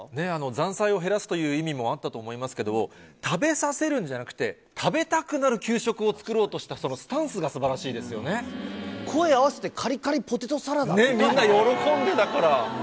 残菜を減らすという意味もあったと思いますけれども、食べさせるんじゃなくて、食べたくなる給食を作ろうとした、そのスタンスがすばらしいですよ声合わせて、みんな喜んでたから。